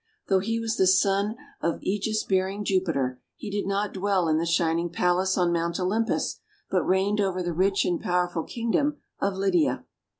Though he was the son of segis bearing Jupiter, he did not dwell in the Shining Palace on Mount Olympus, but reigned over the rich and powerful kingdom of Lydia.